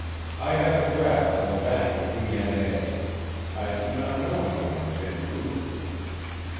I have a draft on the Bank of B.N.A. I do not know any one in Vancouver."